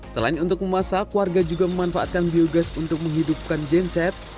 selain untuk memasak warga juga memanfaatkan biogas untuk menghidupkan genset